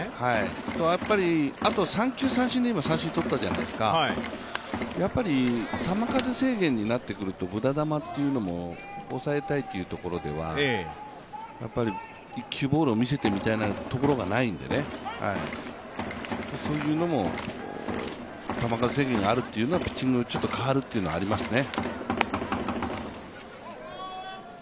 あと三球三振で今、取ったじゃないですか、球数制限になってくると無駄球も抑えたいというところでは１球ボールを見せてみたいなところがないので、そういうのも球数制限あるというのはピッチングが変わるというのがありますね。